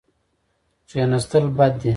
کښېناستل بد دي.